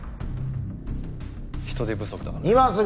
人手不足だからです。